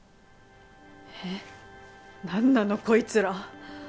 えっなんなのこいつら。